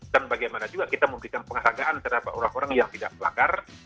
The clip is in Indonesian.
dan bagaimana juga kita memberikan penghargaan terhadap orang orang yang tidak pelanggar